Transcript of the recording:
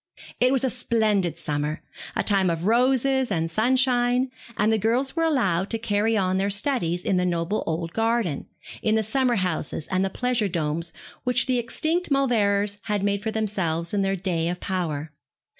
It was a splendid summer, a time of roses and sunshine, and the girls were allowed to carry on their studies in the noble old garden, in the summer houses and pleasure domes which the extinct Mauleverers had made for themselves in their day of power.